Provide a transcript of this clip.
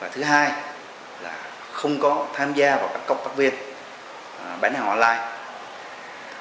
và thứ hai là không có tham gia vào các công tác viên bán hàng online